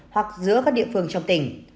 hoặc giữa các địa phương trong tỉnh